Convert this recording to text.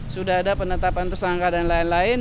sudah ada penetapan tersangka dan lain lain